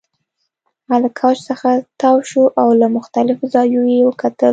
هغه له کوچ څخه تاو شو او له مختلفو زاویو یې وکتل